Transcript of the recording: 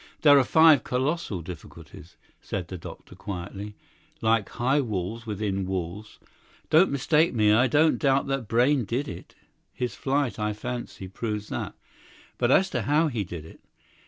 "There are five colossal difficulties," said the doctor quietly; "like high walls within walls. Don't mistake me. I don't doubt that Brayne did it; his flight, I fancy, proves that. But as to how he did it.